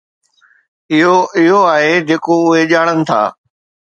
اھو اھو آھي جيڪو اھي ڄاڻن ٿا.